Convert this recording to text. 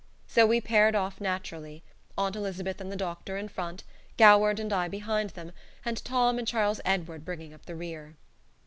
So we paired off naturally: Aunt Elizabeth and the doctor in front, Goward and I behind them, and Tom and Charles Edward bringing up the rear.